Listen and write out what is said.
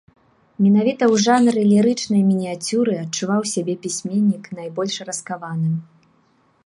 Менавіта ў жанры лірычнай мініяцюры адчуваў сябе пісьменнік найбольш раскаваным.